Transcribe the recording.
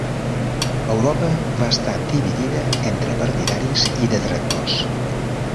Europa va estar dividida entre partidaris i detractors.